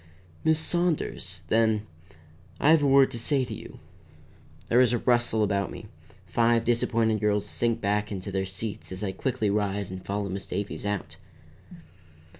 "Miss Saunders." Then, "I have a word to say to you." There is a rustle about me; five disappointed girls sink back into their seats as I quickly rise and follow Miss Davies out.